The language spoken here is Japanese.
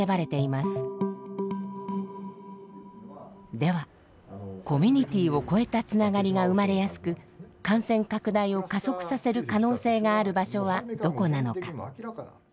ではコミュニティーを超えたつながりが生まれやすく感染拡大を加速させる可能性がある場所はどこなのか。